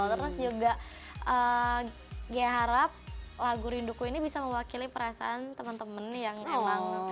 terus juga ghea harap lagu rinduku ini bisa mewakili perasaan teman teman yang emang